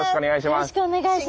よろしくお願いします。